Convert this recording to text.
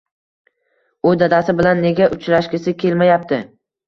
U dadasi bilan nega uchrashgisi kelmayapti